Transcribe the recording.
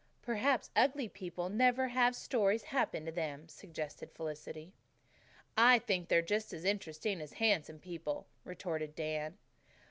"Perhaps ugly people never have stories happen to them," suggested Felicity. "I think they're just as interesting as the handsome people," retorted Dan.